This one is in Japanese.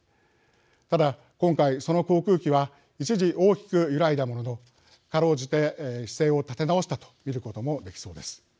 ただ今回、その航空機は一時、大きく揺らいだもののかろうじて姿勢を立て直したと見ることもできそうです。